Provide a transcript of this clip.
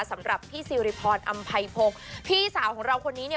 สำหรับพี่ซิริพรอำไพพงศ์พี่สาวของเราคนนี้เนี่ย